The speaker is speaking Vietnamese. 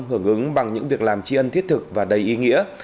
hưởng ứng bằng những việc làm tri ân thiết thực và đầy ý nghĩa